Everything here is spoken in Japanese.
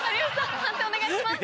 判定お願いします。